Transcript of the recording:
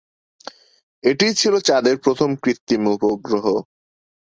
এটিই ছিলো চাঁদের প্রথম কৃত্রিম উপগ্রহ।